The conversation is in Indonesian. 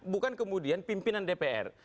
bukan kemudian pimpinan dpr